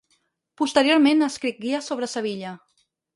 Posteriorment ha escrit guies sobre Sevilla.